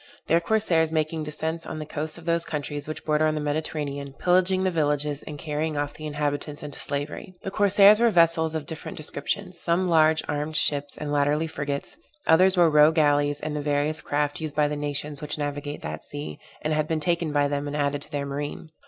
Their corsairs making descents on the coasts of those countries which border on the Mediterranean, pillaging the villages and carrying off the inhabitants into slavery. The corsairs were vessels of different descriptions; some large armed ships, and latterly frigates; others were row gallies and the various craft used by the nations which navigate that sea, and had been taken by them and added to their marine.